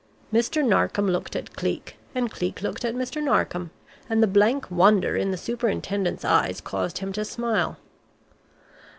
Mr. Narkom looked at Cleek, and Cleek looked at Mr. Narkom, and the blank wonder in the Superintendent's eyes caused him to smile.